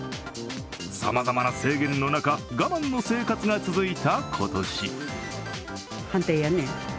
さまざまな制限の中、我慢の生活が続いた今年。